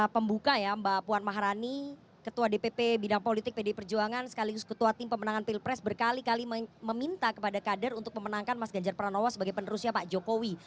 pembuka ya mbak puan maharani ketua dpp bidang politik pdi perjuangan sekaligus ketua tim pemenangan pilpres berkali kali meminta kepada kader untuk memenangkan mas ganjar pranowo sebagai penerusnya pak jokowi